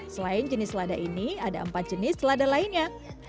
selain jenis selada ini ada empat jenis selada lainnya